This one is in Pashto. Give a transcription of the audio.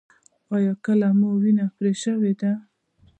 ایا کله مو وینه پرې شوې ده؟